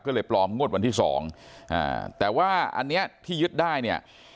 ก็เลยปลอมงวดวันที่สองอ่าแต่ว่าอันเนี้ยที่ยึดได้เนี่ย